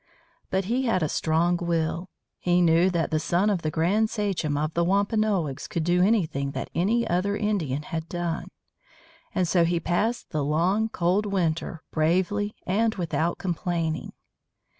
But he had a strong will. He knew that the son of the grand sachem of the Wampanoags could do anything that any other Indian had done. And so he passed the long, cold winter, bravely and without complaining.